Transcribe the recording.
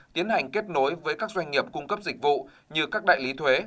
tiến hành kết nối với các doanh nghiệp cung cấp dịch vụ như các đại lý thuế